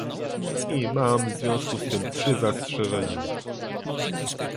I mam w związku z tym trzy zastrzeżenia